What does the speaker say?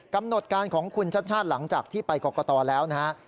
กำหนดการของคุณชัดชาติหลังจากที่ไปกรกตแล้วนะฮะ